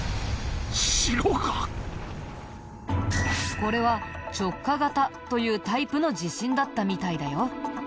これは直下型というタイプの地震だったみたいだよ。